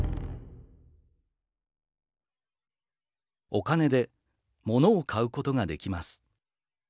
「お金で『物』を買うことができます。